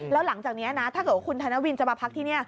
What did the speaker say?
แล้วหลังจากนี้นะถ้าเกิดว่าคุณธนวินจะมาพักที่นี่